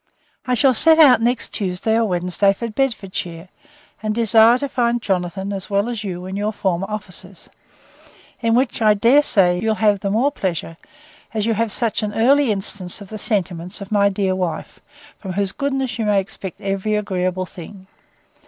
'I shall set out next Tuesday or Wednesday for Bedfordshire; and desire to find Jonathan, as well as you, in your former offices; in which, I dare say, you'll have the more pleasure, as you have such an early instance of the sentiments of my dear wife, from whose goodness you may expect every agreeable thing.